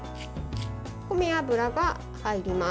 米油が入ります。